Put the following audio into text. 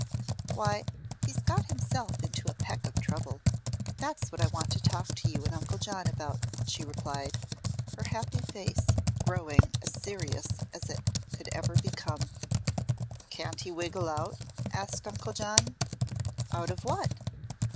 "Why, he's got himself into a peck of trouble. That's what I want to talk to you and Uncle John about," she replied, her happy face growing as serious as it could ever become. "Can't he wiggle out?" asked Uncle John. "Out of what?"